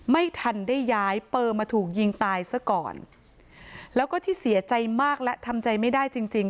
ไม่ทันได้ย้ายเปอร์มาถูกยิงตายซะก่อนแล้วก็ที่เสียใจมากและทำใจไม่ได้จริงจริง